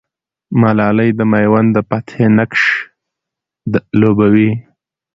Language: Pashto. ملالۍ د مېوند د فتحې نقش لوبوي.